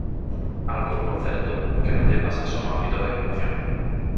Algo, por certo, que non lle pasa só no ámbito da innovación.